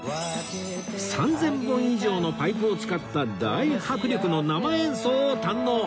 ３０００本以上のパイプを使った大迫力の生演奏を堪能！